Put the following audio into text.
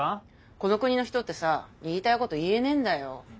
この国の人ってさ言いたいこと言えねえんだよ。